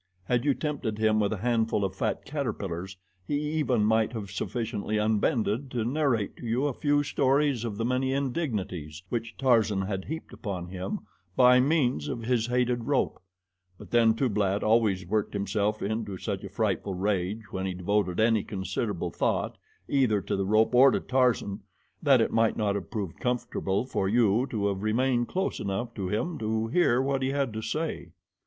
Had you tempted him with a handful of fat caterpillars he even might have sufficiently unbended to narrate to you a few stories of the many indignities which Tarzan had heaped upon him by means of his hated rope; but then Tublat always worked himself into such a frightful rage when he devoted any considerable thought either to the rope or to Tarzan, that it might not have proved comfortable for you to have remained close enough to him to hear what he had to say.